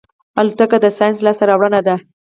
الوتکه د ساینس لاسته راوړنه ده.